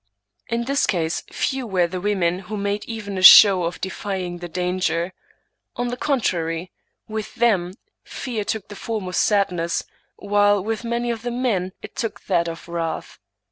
In this case few were the women who made even a show of defying the dan ger. On the contrary, with them fear took the form of sad ness, while with many of the men it took that of wrath.